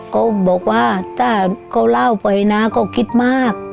เขาบอกว่าถ้าเขาเล่าไปนะก็คิดมาก